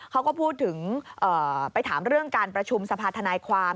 เขาก็พูดถึงไปถามเรื่องการประชุมสภาธนายความ